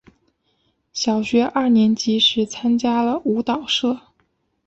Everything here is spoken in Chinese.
小学二年级时参加了舞蹈社。